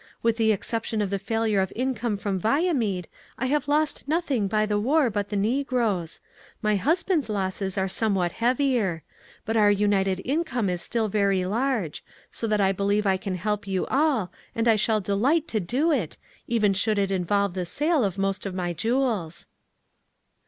With the exception of the failure of income from Viamede, I have lost nothing by the war but the negroes. My husband's losses are somewhat heavier. But our united income is still very large; so that I believe I can help you all, and I shall delight to do it, even should it involve the sale of most of my jewels."